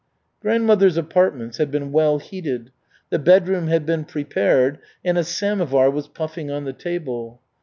Grandmother's apartments had been well heated. The bedroom had been prepared, and a samovar was puffing on the table.